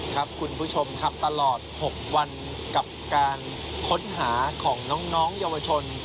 ครับคุณผู้ชมครับตลอด๖วันกับการค้นหาของน้องเยาวชน